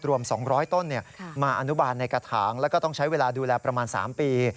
รวม๒๐๐ต้นมาอนุบาลในกระถางแล้วก็ต้องใช้เวลาดูแลประมาณ๓ปี